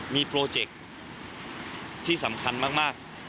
มีโปรเจคที่สำคัญมาก